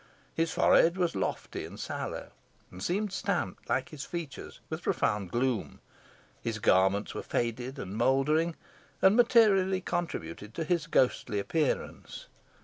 His forehead was lofty and sallow, and seemed stamped, like his features, with profound gloom. His garments were faded and mouldering, and materially contributed to his ghostly appearance.